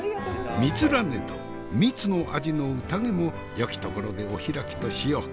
密らねど蜜の味の宴もよきところでお開きとしよう。